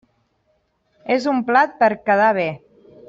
És un plat per a quedar bé.